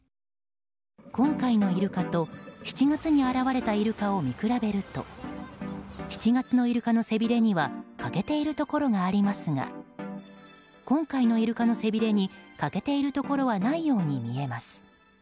今回のイルカと７月に現れたイルカを見比べると７月のイルカの背びれには欠けているところがありますが今回のイルカの背びれに欠けているところはないように見えます。